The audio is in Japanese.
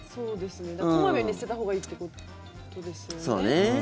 小まめに捨てたほうがいいってことですよね。